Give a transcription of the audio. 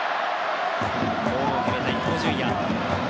ゴールを決めた伊東純也。